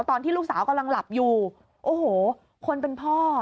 ตอนที่ลูกสาวกำลังหลับอยู่โอ้โหคนเป็นพ่อ